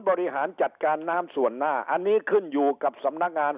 บริหารจัดการน้ำส่วนหน้าอันนี้ขึ้นอยู่กับสำนักงาน